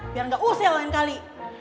biar gak usia lain kali